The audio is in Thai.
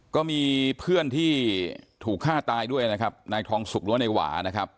ก็มีเพื่อนที่ถูกฆ่าตายด้วยนะครับนายทองสุกหรือว่านายหวานะครับ